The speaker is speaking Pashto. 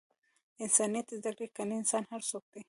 انسانیت زده کړئ! کنې انسان هر څوک دئ!